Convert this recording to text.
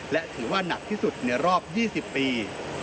และถือว่านักที่สุดในรอบ๒๐ปี